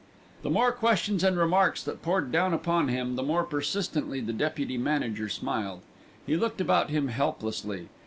The more questions and remarks that poured down upon him, the more persistently the deputy manager smiled. He looked about him helplessly.